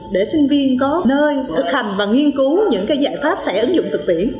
để sinh viên có nơi thực hành và nghiên cứu những giải pháp sẽ ứng dụng thực tiễn